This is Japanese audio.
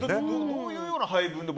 どういうような配分で。